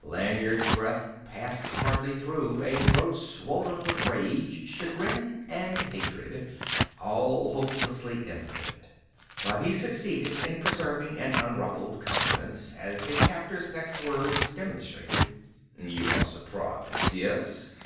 Lanyard's breath passed hardly through a throat swollen with rage, chagrin, and hatred, all hopelessly impotent. But he succeeded in preserving an unruffled countenance, as his captor's next words demonstrated. "You are surprised, yes?